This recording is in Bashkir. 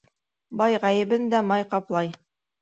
Бай ғәйебен дә май ҡаплай.